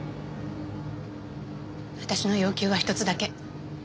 私の要求は一つだけ。